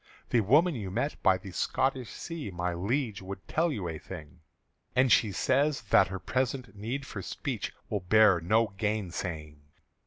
"The woman you met by the Scotish Sea, My Liege, would tell you a thing; And she says that her present need for speech Will bear no gainsaying."